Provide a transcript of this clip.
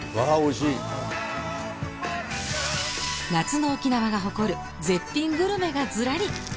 夏の沖縄が誇る絶品グルメがずらり！